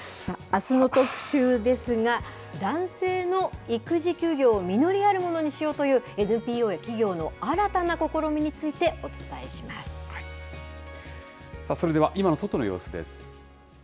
あすの特集ですが、男性の育児休業を実りあるものにしようというＮＰＯや企業の新たそれでは今の外の様子です。